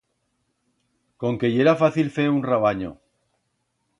Conque yera fácil fer un rabanyo